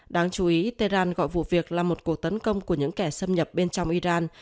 đáng chú ý tehran gọi vụ việc là một cuộc tấn công của những kẻ xâm nhập bên trong iran